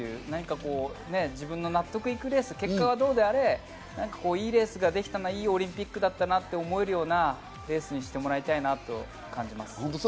何か自分の納得のいくレース、結果はどうであれ、いいレースができたら、いいオリンピックだったなと思えるようなレースにしてもらいたいなと感じます。